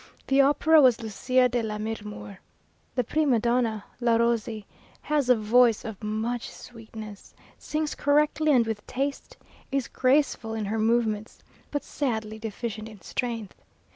The opera was "Lucia de Lammermoor." The prima donna, La Rossi, has a voice of much sweetness, sings correctly and with taste, is graceful in her movements, but sadly deficient in strength.